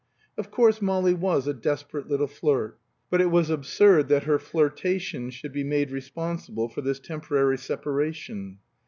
Of course Molly was a desperate little flirt; but it was absurd that her flirtations should be made responsible for "this temporary separation."